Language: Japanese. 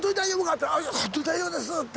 って「本当に大丈夫です」って。